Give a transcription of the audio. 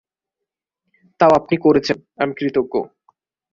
তাও আপনি করেছেন, আমি কৃতজ্ঞ।